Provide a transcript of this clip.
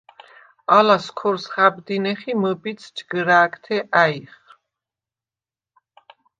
ალას ქორს ხა̈ბდინეხ ი მჷბიდს ჯგჷრა̄̈გთე ა̈ჲხ.